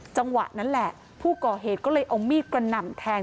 จังหวะนั้นแหละผู้ก่อเหตุก็เลยเอามีดกระหน่ำแทง